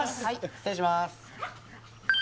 失礼します